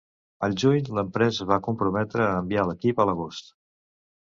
Al juny, l'empresa es va comprometre a enviar l'equip a l'agost.